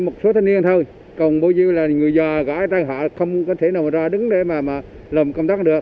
một số thanh niên thôi còn bao nhiêu là người già gãi ra họ không có thể nào mà ra đứng để mà làm công tác được